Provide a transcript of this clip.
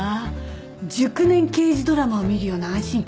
熟年刑事ドラマを見るような安心感ね。